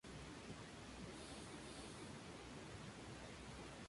El carcelero los observa silencioso en un acto de voyeurismo.